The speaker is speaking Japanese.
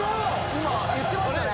今言ってましたよね？